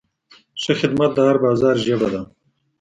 ښه خدمت د هر بازار ژبه ده.